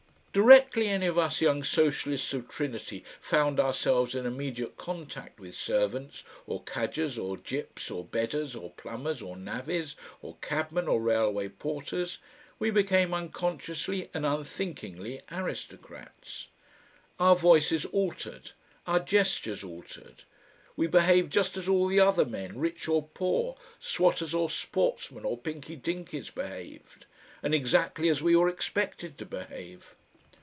Directly any of us young socialists of Trinity found ourselves in immediate contact with servants or cadgers or gyps or bedders or plumbers or navvies or cabmen or railway porters we became unconsciously and unthinkingly aristocrats. Our voices altered, our gestures altered. We behaved just as all the other men, rich or poor, swatters or sportsmen or Pinky Dinkys, behaved, and exactly as we were expected to behave.